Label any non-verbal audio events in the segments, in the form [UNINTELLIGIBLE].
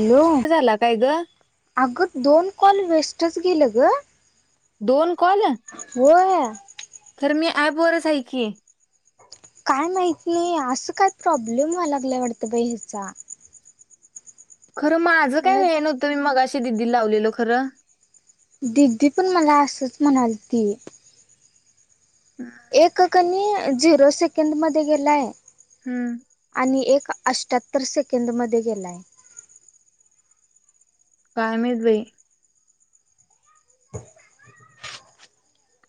Hello, झाला काय ग अगं दोन कॉल वेस्टच गेलं गं. दोन कॉल. होय. खरं मी ॲपवरच हाय की, काय माहिती नाही असं, काय प्रॉब्लेम व्हायला लागल्या वाटतं बाई हिचा. खरं माझं काय मला व्हाय नव्हतं, मी मगाशी दिदीला लावलेलो खरं. दिदी पण मला असंच म्हणाल ती. हम्. एक कनी झिरो सेकंद मध्ये गेलाय. हम्म. आणि एक अष्ट्यात्तर सेकंद मध्ये गेलाय. काय माहित बाई.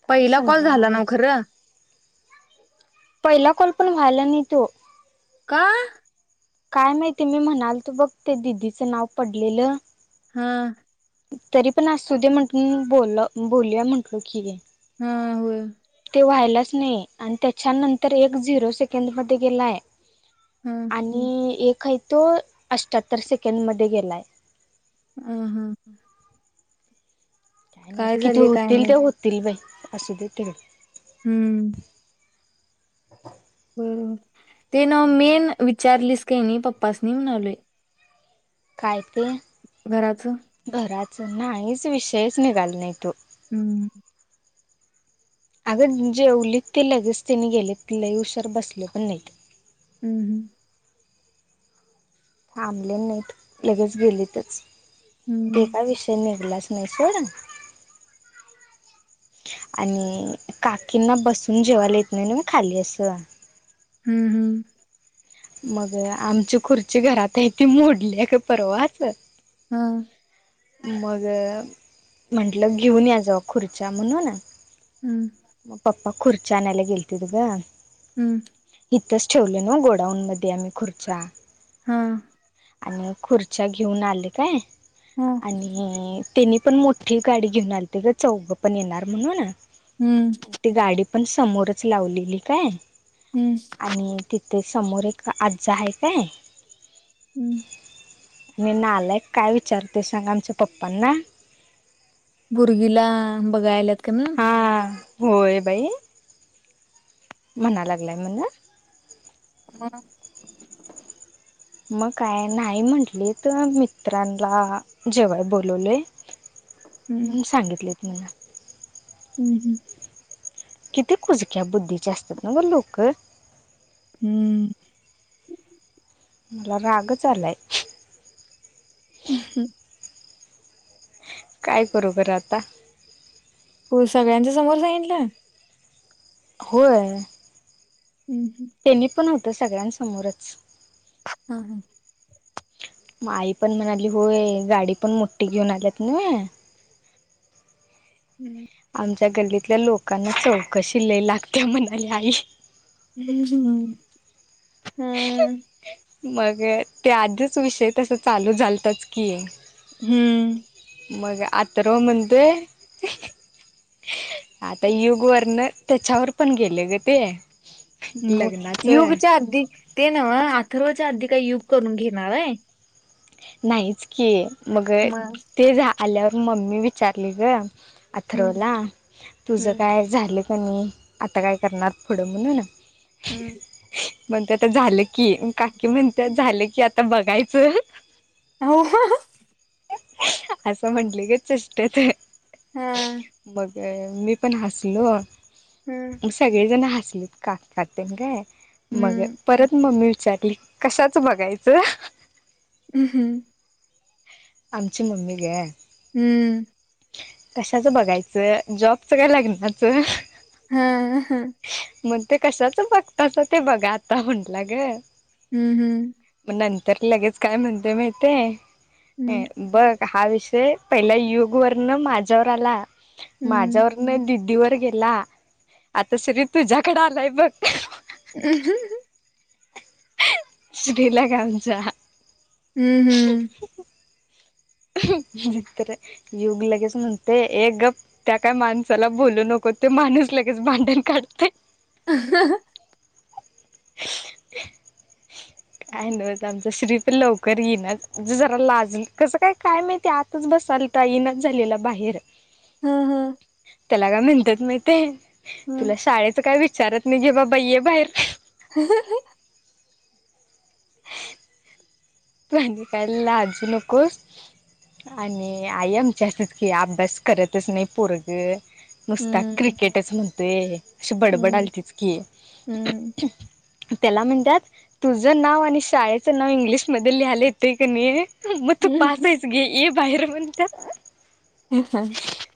काय पहिला कॉल समजा ना झाला नवं घ्यायचं खरं. पहिला कॉल पण, व्हाल नाही तो. का, काय माहितीय मी म्हणाल तो, बघ ते दिदीचं नाव पडलेलं. हा.... तरी पण असू दे म्हणून, बोल बोलूया म्हटलो की. हा होय. ते व्हायलाच नाही, आणि त्याच्यानंतर एक झिरो सेकंडमध्ये गेलाय. हम. एक आहे तो अठ्ठ्याहत्तर सेकंडमध्ये गेलाय. ह हा हा. काय नव्हच किती झाले काय होतील, ते माहित होतील बाई असू दे तिकडं. हम्म. हो ते नव मेन विचारलीस की, नाही पप्पांसनी म्हणालोय. काय ते, घराचं घराच नाहीच विषयच निघाला नाही तो. हम्म [INAUDIBLE] अगं जेवलीत ते लगेच त्यांने गेलेति लयी ऊशर बसले पण नाहीत. हम्म हम्म. थांबले नाहीत लगेच गेलेतच ते हम्म का विषय निघलाच होय सोड. आणि काकींना बसून जेवायला येत नाही नव्ह खाली असं. हम्म हम्म. मग आमची खुर्ची घरात आहे ती मोडल्या ग परवाच. हा मग म्हटलं घेऊन या जावा खुर्च्या म्हणून. हम्म. मग पपा खुर्च्या आणयला गेलतित ग. हम्म. इथंच ठेवले ना गोडाऊन मध्ये आम्ही खुर्चा. हा. आणि खुर्च्या घेऊन आले काय हो आणि त्यांनी पण मोठी गाडी घेऊन आलीती ग चौघं पण येणार म्हणून हम्म. ती गाडी पण समोरच लावलेली काय हम्म. आणि तिथे समोर एक आजा हाय काय हम्म आणि नालायक काय विचारते सांग आमच्या पप्पांना भुर्गीला बघाय आलात काय म्हणुन हा होय बाई. म्हणा लागलाय म्हण. मग मग काय नाही म्हटलीत तर मित्रांला जेवाय बोलवलेय हम्म मण सांगितलेत मला. हम्म हम्म. किती कुजक्या बुद्धीचे असतात नव्ह लोक. हम्म. मला रागच आलाय. [UNINTELLIGIBLE] काय बरोबर आता? हो सगळ्यांच्या समोर सांगितला? होय. हम्म हम्म. त्यांनी पण होतं सगळ्यांसमोरच. हा हा. आई पण म्हणाली होय गाडी पण मोठी घेऊन आल्यात नव्हे हम्म [INAUDIBLE] आमच्या गल्लीतल्या लोकांना चौकशी लय लागते म्हणाली आई हम्म हम्म मग ते आधीच विषय तस चालू झालतच की हम्म मग अथर्व म्हणतोय आता युग वरन त्याच्यावर पण गेले ग ते. लग्नाच युगच्या आधी ते नव्ह अथर्वच्या आधी काही युग करून घेणार हाय. नाहीच की मग ते, झा आल्यावर मम्मी विचारली गं. हम्म अर्थरवला तुझं हम्म काय झालं कणी, आता काय करणार पुढं म्हणून. हम्म म्हणते आता झालं की, काकी म्हणते झालं की आता बघायचं. [UNINTELLIGIBLE] असं म्हटली गं चेस्टेत. हा. मग मी पण हसलो. हम्म. मग सगळीजण हसलीत काकातेन काय मग. हम्म परत मम्मी विचारली कशाच बघायचं. हम्. आमची मम्मी गं. हम्म. कशाच बघायचं, जॉबच काय लग्नाचं. हं हं. मग ते कशाच बघतासा ते बघा, आता म्हटला गं. हम्म हम्म. मग नंतर लगेच काय म्हणत्या माहितेय. बघ हा विषय पहिला युग वरन माझ्यावर आला. हम्म माझ्यावर मग दिदी वर गेला, आता श्री तुझ्याकडे आलाय बघ. [UNINTELLIGIBLE] श्रीला गं आमच्या. हम्म हम्म. [UNINTELLIGIBLE] तर युग लगेच म्हणतय ये गप. त्या काय माणसाला बोलू नको. तो माणूस लगेच भांडण काढतोय. [UNINTELLIGIBLE] [INAUDIBLE] काय नव्हच आमचा श्री पण लवकर येईना. जरा लाजल कसं काय काय माहिती आत, तितच बसालता येइनाच झालेला बाहेर. ह ह. त्याला का म्हणत्यात माहिती, तुला हं. शाळेच काय विचारत नाही घे, बाबा येे बाहेर. [UNINTELLIGIBLE] तु आणि काय लाजू नकोस. आणि आई आमची असंच की, अभ्यास करतच नाही पोरगं. नुसता हं, क्रिकेटच म्हणतोय, अशी हं, बडबडलातीच की. हं. त्याला म्हणत्यात तुझं नाव आणि शाळेचं नाव इंग्लिशमध्ये लिहायलं येतय की नाही. मग तू पास हायस घे, ये बाहेर म्हणत्यात. ह.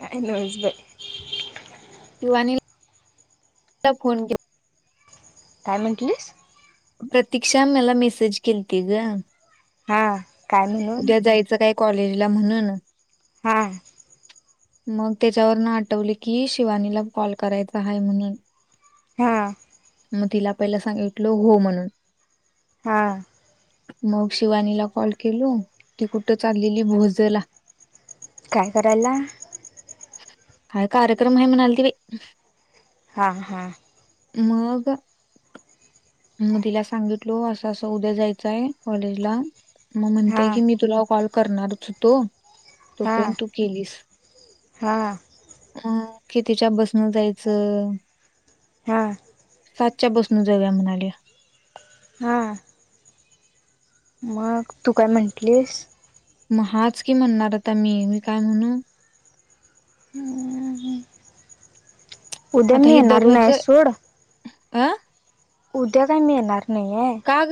काय नव्हच बाई. शिवानी फोन केला. काय म्हटलीस. प्रतीकक्षा मला मेसेज केलं ती गं. हां. उद्या जायचं काय कॉलेजला म्हणून. हां. मग त्याच्यावरन आठवले की, शिवानीला कॉल करायचा आहे म्हणून. हां‌. मग तिला पहिला सांगितलो हो म्हणून. हा. मग शिवानीला कॉल केलो. ती कुठं चाललेली भोजला. काय करायला? काय कार्यक्रम आहे म्हणालती बाई. हा हा. मग मग तिला सांगितलो असं असं उद्या जायचंय कॉलेजला. मग हा म्हणतेय की मी तुला कॉल करणारच होतो. हा तोपर्यंत तू केलीस. हा अ कितीच्या बसनं जायचं? हा. सातच्या बस न जावुया म्हणाल्या. हा. मग तू काय म्हटलीस? मग हाच की म्हणणार आता मी मग काय म्हणू? हह आता हे दररोज अं उद्या काय मी येणार नाहीये. आग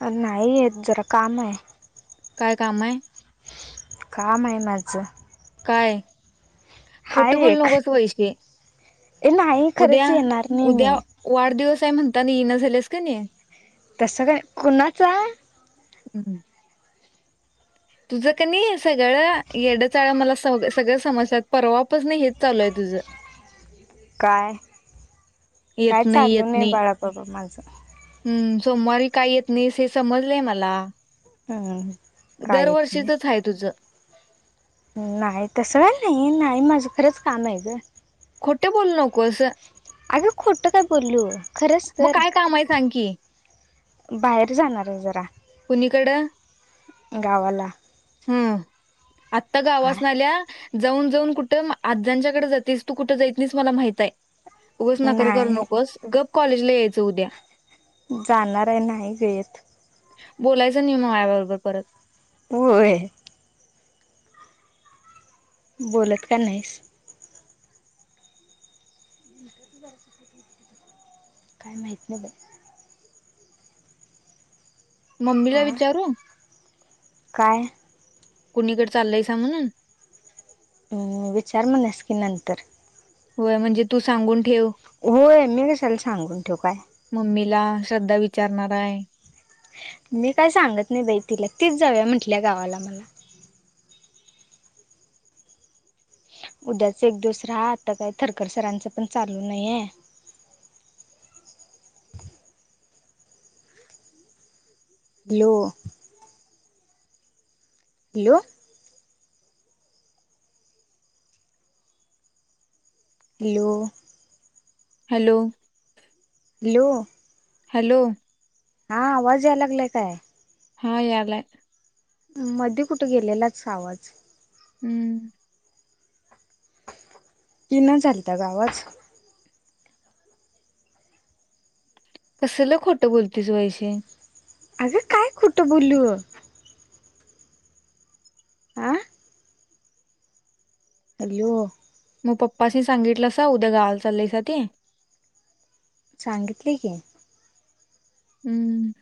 अ नाही येत जरा काम आहे. काय काम आहे? काम आहे माझं. काय खोट हाय बोलु एक नकोस वैशे. ए नाही उद्या खरंच येणार नाही मी. उद्या वाढदिवस आहे म्हणता ना येईना झालेस का नाही? तसं काय कुणाचा? हम्म. तुझं क नाही सगळं येड चाळ मला स सगळं समजत्यात परवापासन हेच चालू आहे तुझं. काय काय येत चालू नाही बाळाबाबा माझं. हम्म सोमवारी का येत नाहीस हे समजलंय मला. हम्म काय येत नाही दरवर्षीचच आहे तुझं. नाही तसं नाही नाही माझं खरंच काम आहे ग. खोटे बोलू नकोसं. अगं खोटं काय बोलो खरंच मग तर. काय काम आहे सांग की. बाहेर जाणार आहे जरा कुणीकडं गावाला. हम्म आत्ता आ गावासन आल्या. जाऊन जाऊन कुठं आजांच्याकडे जातेस तू कुठं जात नाहीस मला माहित आहे. उगच नकर करू नाही नकोस गप कॉलेजला यायचं उद्या. जाणार आहे नाही ग येत. बोलायचं नाही माझ्याबरोबर परत. होय. बोलत का नाहीस? काय माहित नाही बाई. हा मम्मीला विचारू काय? कुणीकडे चालयसा म्हणून हम्म विचार म्हणस की नंतर. होय म्हणजे तू सांगून ठेव. होय मी कशाला सांगून ठेवू काय. मम्मीला श्रद्धा विचारणार आहे. मी काय सांगत नाही बाई तिला तीच जाऊया म्हटल्या गावाला मला. उद्याच एक दिवस राहा आता काही थरकर सरांचं पण चालू नाहीये. Hello! Hello! Hello! Hello! Hello! Hello! हा आवाज याय लागलाय काय? हा यायलाय. मध्ये कुठे गेलेलाच आवाज. हम्म. येईना झालता ग आवाज. कसलं खोटं बोलतेस वैशे. अग काय खोटं बोलू? आ? हॅलो! मग पप्पासनी सांगितलासि उद्या गावाला चाललायसा ते? सांगितलय की. हम्म.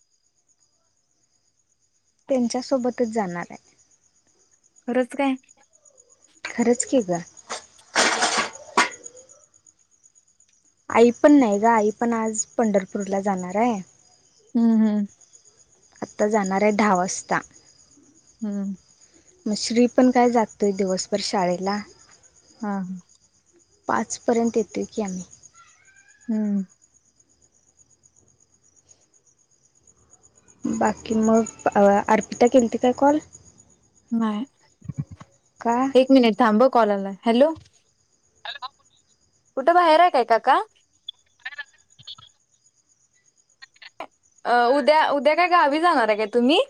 त्यांच्यासोबतच जाणार आहे. खरंच काय? खरंच की ग. आई पण नाही ग आई पण आज पंढरपूरला जाणार आहे. हम्म हम्म. आत्ता जाणार आहे दहा वाजता. हम्म. मग श्री पण काय जातोय दिवसभर शाळेला. हा. पाचपर्यंत येतो की आम्ही. हम्म. बाकी मग अ अर्पिता केलती काय काँल? नाही. का? एक मिनिट थांब अ कॉल आलाय. हॅलो कुठं बाहेर आहे काय काका? अ उद्या उद्या काय गावी जाणार आहे काय तुम्ही?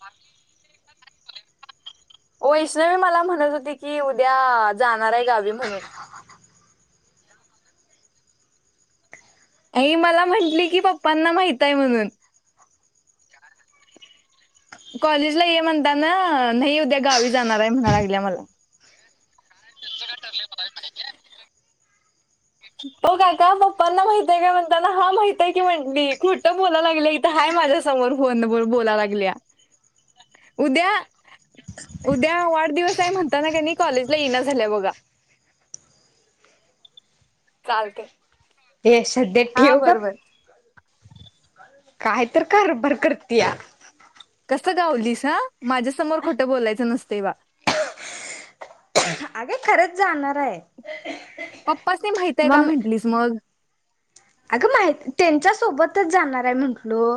बाकी [UNINTELLIGIBLE] वैष्णवी मला म्हणत होती की उद्या जाणार आहे गावी म्हणून. आई मला म्हंटली की पप्पांना माहित आहे म्हणून. कॉलेजला ये म्हणताना नाही उद्या गावी जाणार आहे म्हणा लागल्या मला. [INAUDIBLE] [UNINTELLIGIBLE] हो काका पप्पांना माहितय का म्हणताना हा माहितय की म्हणली खोठं बोलाय लागलं आहे माझ्या समोर फोन वर बोलाय लागल्या. [INAUDIBLE] उद्या उद्या वाढदिवस आहे म्हणताना का नाही कॉलेजला येईना झाल्या बघा. चालते. ये श्रद्धे ठेव गप. काय तर कारभार करत्या. कसं गावलीस ह माझ्यासमोर खोटं बोलायचं नसतय वा अगं खरंच जाणार आहे. पप्पासनी माहितेय का मग म्हंटलीस मगं. अगं माहि तेच्या सोबतच जाणार आहे म्हटलो.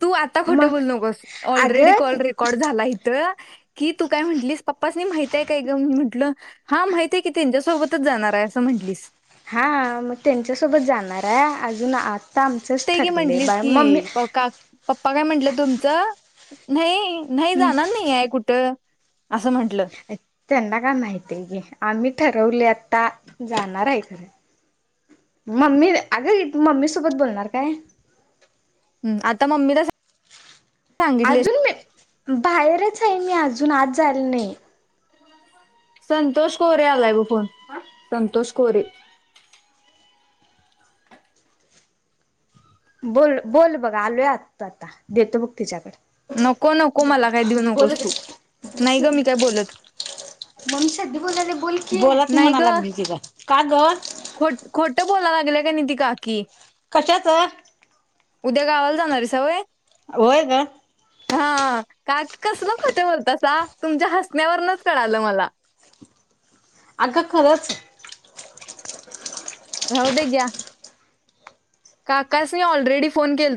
तू आता खोटं मग बोलू नकोस, ऑलरेडी अगं कॉल रेकॉर्ड झाला इथं. कि तू काय म्हटलीस पप्पांसनी माहिती, हाय काय गं मी म्हटलं. हा माहितेय की, तेच्यासोबतच जाणार आहे असं म्हंटलीस. हा मग त्यांच्यासोबत जाणार आहे. अजून आता आमचंच ते की ठरले म्हटलीस बाळ की मम्मी. प- का पप्पा काय म्हंटलं तुमचं, नाही नाही हम् जाणार नाही आहे कुठं. असं म्हटलं. त्यांना काय माहितीये घे, आम्ही ठरवले आता जाणार आहे खरं. मम्मी अगं, मम्मी सोबत बोलणार काय? हं आता मम्मीला सां अजून मी बाहेरच आहे मी, अजून आत जायला नाही. संतोष कोरे आलाय, बग फोन आ.. संतोष कोरे. बोल बोल बघ आलोय आता, देतो बघ तिच्याकडं. नको नको मला काय देऊ नकोस तू, नाही बोलत गं मी काय बोलत. मम्मी संधे बोलाल्या बोल की, बोला की नाही म्हणा ग लागली की गं. खोट खोटं बोला लागल्या कणी ती काकी. कशाचं. उद्या गावाला जाणार हायसा होय. होय गं. हा का, कसल खोटं बोलतासा तुमच्या हसण्यावरनच कळालं मला. आगं खरंच. राहू दे घ्या. काकासनी ऑलरेडी फोन केलता.